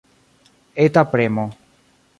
Eta premo.